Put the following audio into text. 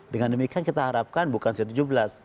dengan demikian kita harapkan bukan setujuh belas